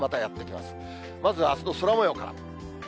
まずあすの空もようから。